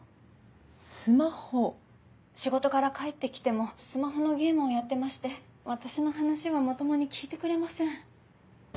仕事から帰って来てもスマホのゲームをやってまして私の話はまともに聞いてくれません。